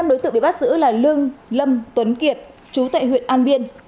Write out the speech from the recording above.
năm đối tượng bị bắt giữ là lương lâm tuấn kiệt chú tại huyện an biên